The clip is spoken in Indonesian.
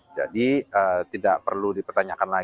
jadi tidak perlu dipertanyakan